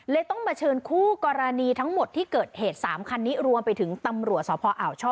ต้องมาเชิญคู่กรณีทั้งหมดที่เกิดเหตุ๓คันนี้รวมไปถึงตำรวจสพอ่าวช่อ